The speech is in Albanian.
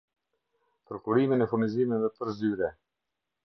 Prokurimin e furnizimeve për zyre